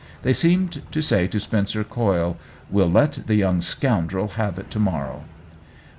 They seemed to say to Spencer Coyle, "We'll let the young scoundrel have it to morrow